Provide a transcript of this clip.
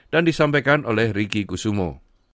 dan disampaikan oleh riki kusumo